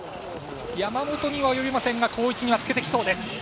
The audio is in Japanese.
山本には及びませんが好位置にはつけてきそうです。